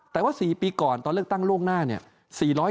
แต่ว่า๔ปีก่อนตอนเลือกตั้งล่วงหน้าเนี่ย